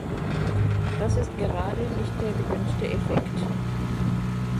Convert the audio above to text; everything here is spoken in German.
Das ist gerade nicht der gewünschte Effekt.